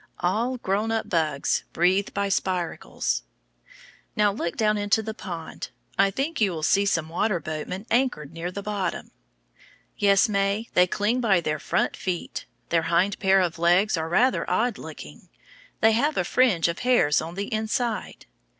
All grown up bugs breathe by spiracles. Now look down into the pond. I think you will see some water boatmen anchored near the bottom. Yes, May, they cling by their front feet. Their hind pair of legs are rather odd looking; they have a fringe of hairs on the inside.